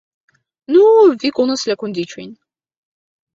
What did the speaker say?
Nu, vi konas la kondiĉojn.